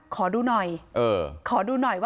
ขอดูหน่อย